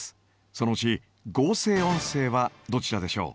そのうち合成音声はどちらでしょう？